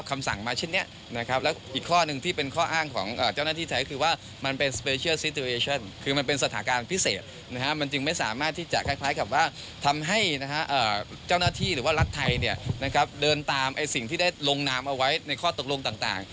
มันจึงไม่สามารถที่จะคล้ายกับว่าทำให้เจ้าหน้าที่หรือว่ารักไทยเดินตามสิ่งที่ได้ลงน้ำเอาไว้ในข้อตกลงต่าง